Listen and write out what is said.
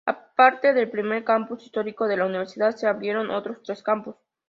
Aparte del primer campus histórico de la universidad, se abrieron otros tres campus.